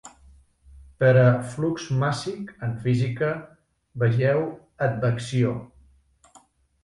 Per a "flux màssic" en física, vegeu "advecció".